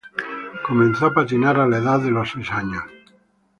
Comenzó a patinar a la edad de seis años.